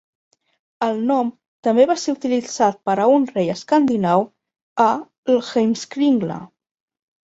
El nom també va ser utilitzat per a un rei escandinau a l'"Heimskringla".